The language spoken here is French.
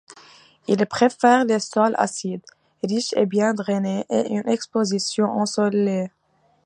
Il préfère les sols acides, riches et bien drainés et une exposition ensoleillée.